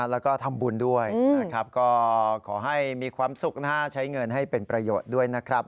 แล้วก็ทำบุญด้วยนะครับก็ขอให้มีความสุขนะฮะใช้เงินให้เป็นประโยชน์ด้วยนะครับ